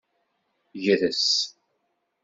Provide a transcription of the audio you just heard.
Gres.